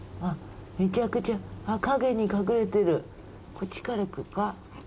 めちゃくちゃ陰に隠れてるこっちから行こうか。